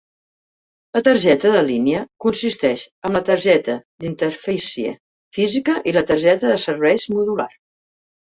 La targeta de línia consisteix en la targeta d'interfície física i la targeta de serveis modular.